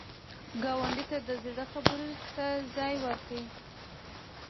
ګاونډي ته د زړه خبرو ته ځای ورکړه